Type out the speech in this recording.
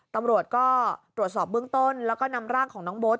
ตำรวจก็ตรวจสอบเบื้องต้นแล้วก็นำร่างของน้องโบ๊ท